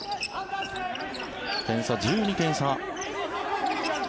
点差、１２点差。